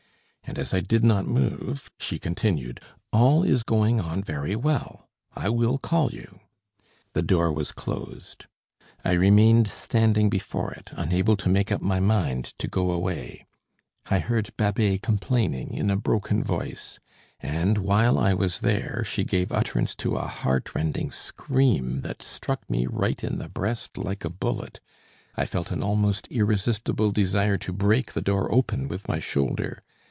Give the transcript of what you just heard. And as I did not move, she continued: "All is going on very well. I will call you." The door was closed. I remained standing before it, unable to make up my mind to go away. I heard Babet complaining in a broken voice. And, while I was there, she gave utterance to a heartrending scream that struck me right in the breast like a bullet. I felt an almost irresistible desire to break the door open with my shoulder.